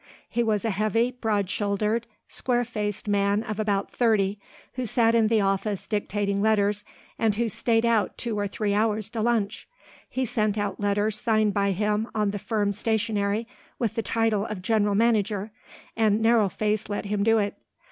He was a heavy, broad shouldered, square faced man of about thirty, who sat in the office dictating letters and who stayed out two or three hours to lunch. He sent out letters signed by him on the firm's stationery with the title of General Manager, and Narrow Face let him do it.